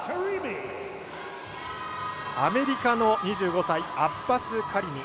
アメリカの２５歳アッバス・カリミ。